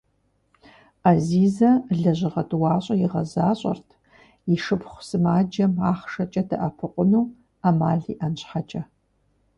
Ӏэзизэ лэжьыгъэ тӀуащӀэ игъэзащӀэрт и шыпхъу сымаджэм ахъшэкӀэ дэӀэпыкъуну Ӏэмал иӀэн щхьэкӀэ.